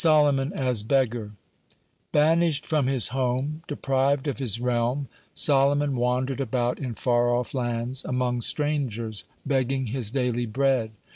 SOLOMON AS BEGGAR Banished from his home, deprived of his realm, Solomon wandered about in far off lands, among strangers, begging his daily bread.